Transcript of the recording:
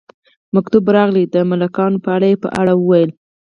مکتوب راغلی د ملکانو په اړه، یې په اړه وویل.